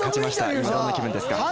今どんな気分ですか？